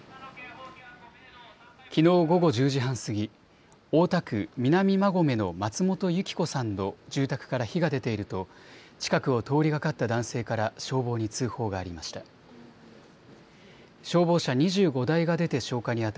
きのう午後１０時半過ぎ、大田区南馬込の松本由伎子さんの住宅から火が出ていると近くを通りがかった男性から消防に通報がありました。